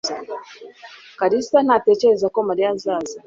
Kalisa ntatekereza ko Mariya azaza.